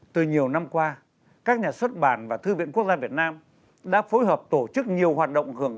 từ nhiều năm qua các nhà xuất bản và thư viện quốc gia việt nam đã phối hợp tổ chức nhiều hoạt động hưởng